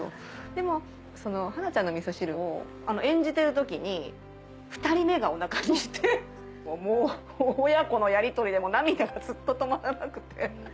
でも『はなちゃんのみそ汁』を演じてる時に２人目がおなかにいてもう親子のやりとりで涙がずっと止まらなくて。